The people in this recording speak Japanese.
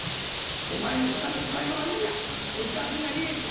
お前の下手な芝居がバレりゃお客が逃げて大損だ！